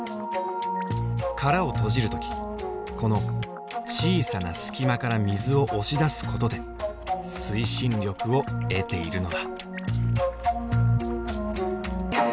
殻を閉じる時この小さな隙間から水を押し出すことで推進力を得ているのだ。